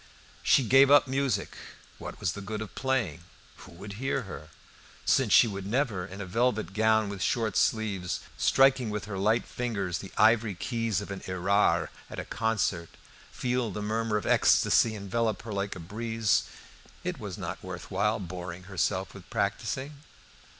She gave up music. What was the good of playing? Who would hear her? Since she could never, in a velvet gown with short sleeves, striking with her light fingers the ivory keys of an Erard at a concert, feel the murmur of ecstasy envelop her like a breeze, it was not worth while boring herself with practicing.